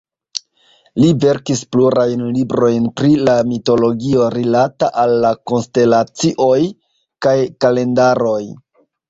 Li verkis plurajn librojn pri la mitologio rilata al la konstelacioj kaj kalendaroj.